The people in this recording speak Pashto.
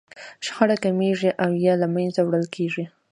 شخړه کمیږي او يا له منځه وړل کېږي.